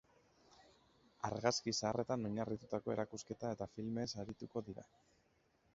Argazki zaharretan oinarritutako erakusketa eta filmeez arituko dira.